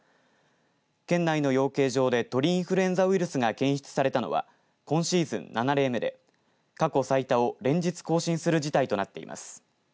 県内の養鶏場で鳥インフルエンザウイルスが検出されたのは今シーズン７例目で過去最多を連日更新する事態となっています。